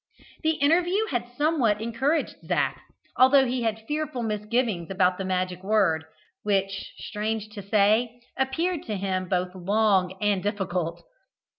The interview had somewhat encouraged Zac, although he had fearful misgivings about the magic word, which, strange to say, appeared to him both long and difficult.